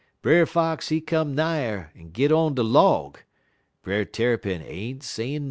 Brer Fox, he come nigher en git on de log; Brer Tarrypin ain't sayin' nothin'.